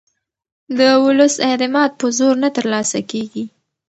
د ولس اعتماد په زور نه ترلاسه کېږي